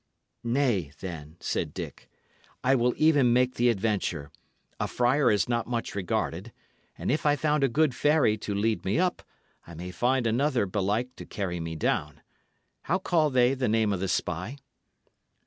"Nay, then," said Dick, "I will even make the adventure. A friar is not much regarded; and if I found a good fairy to lead me up, I may find another belike to carry me down. How call they the name of this spy?"